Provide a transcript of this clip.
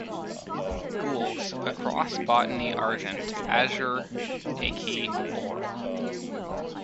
Gules, a Cross bottony Argent; Azure, a Key Or.